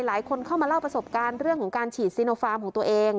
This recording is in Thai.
หลายคนเข้ามาเล่าประสบการณ์เรื่องของการฉีดซีโนฟาร์มของตัวเอง